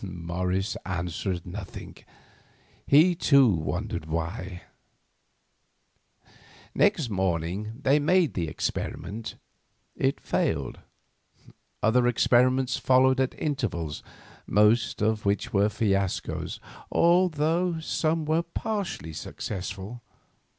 Morris answered nothing. He, too, wondered why. Next morning they made the experiment. It failed. Other experiments followed at intervals, most of which were fiascos, although some were partially successful.